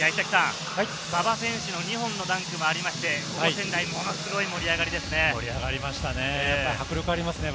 馬場選手の２本のダンクもありまして、仙台ものすごい盛り上がりですね。